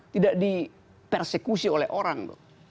tidak dipersekusi oleh orang